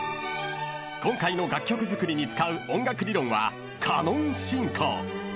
［今回の楽曲作りに使う音楽理論は「カノン進行」］